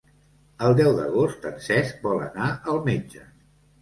El deu d'agost en Cesc vol anar al metge.